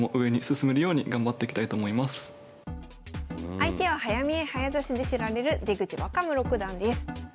相手は早見え早指しで知られる出口若武六段です。